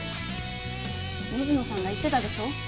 水野さんが言ってたでしょ。